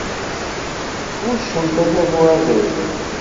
Tɣuccemt adabu azzayri.